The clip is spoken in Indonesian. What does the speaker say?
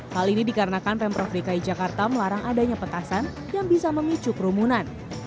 hal ini dikarenakan pemprov dki jakarta melarang adanya petasan yang bisa memicu kerumunan